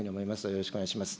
よろしくお願いします。